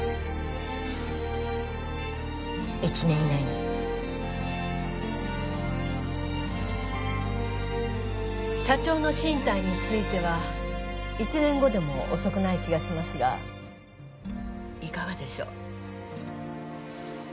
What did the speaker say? １年以内に社長の進退については１年後でも遅くない気がしますがいかがでしょう？